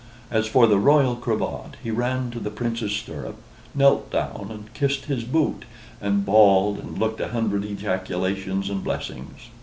As for the Royal Cravat, he ran to the Prince's stirrup, knelt down and kissed his boot, and bawled and looked a hundred ejaculations and blessings.